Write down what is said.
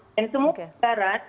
dan semua kebakaran